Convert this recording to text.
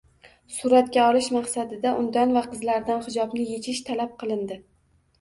Suratga olish maqsadida undan va qizlaridan hijobni yechish talab kilindi